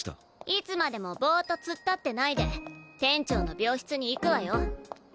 いつまでもボーッと突っ立ってないで店長の病室に行くわよ